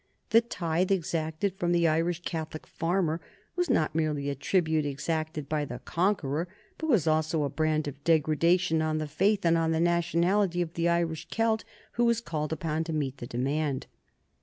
The tithe exacted from the Irish Catholic farmer was not merely a tribute exacted by the conqueror, but was also a brand of degradation on the faith and on the nationality of the Irish Celt who was called upon to meet the demand.